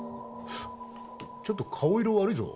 ちょっと顔色悪いぞ。